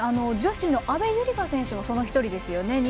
女子の阿部友里香選手もその１人ですよね。